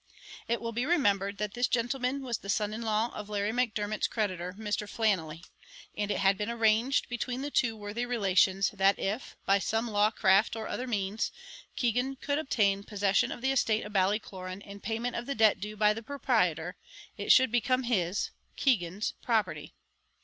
It will be remembered that this gentleman was the son in law of Larry Macdermot's creditor, Mr. Flannelly; and it had been arranged between the two worthy relations that if, by some law craft or other means, Keegan could obtain possession of the estate of Ballycloran in payment of the debt due by the proprietor, it should become his, Keegan's, property.